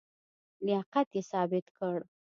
لیاقت یې ثابت کړ.